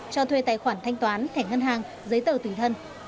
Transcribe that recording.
cho thuê tài khoản thanh toán thẻ ngân hàng giấy tờ tùy thân